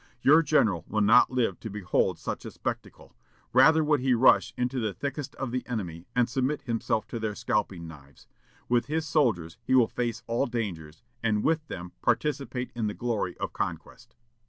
Your general will not live to behold such a spectacle; rather would he rush into the thickest of the enemy, and submit himself to their scalping knives.... With his soldiers he will face all dangers, and with them participate in the glory of conquest."